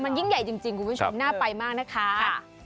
มันยิ่งใหญ่จริงคุณผู้ชมน่าไปมากนะคะ